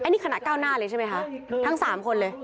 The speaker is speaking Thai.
นี่คณะก้าวหน้าเลยใช่ไหมคะทั้ง๓คนเลย